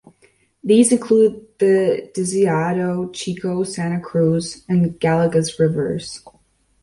These include the Deseado, Chico, Santa Cruz, and Gallegos Rivers.